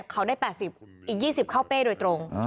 เขาได้๘๐อีก๒๐เข้าเป้โดยตรง